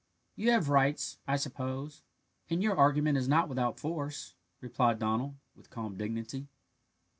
"You have rights, I suppose, and your argument is not without force," replied Donald, with calm dignity.